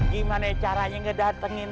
gimana caranya ngedatengin